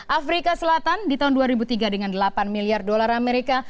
afrika selatan di tahun dua ribu tiga dengan delapan miliar dolar amerika